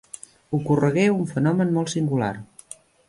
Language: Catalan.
Ocorregué un fenomen molt singular.